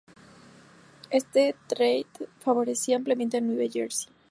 Este trade favorecería ampliamente a New Jersey.